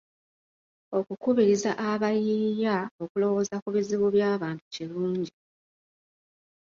Okukubiriza abayiiyia okulowooza ku bizibu by'abantu kirungi.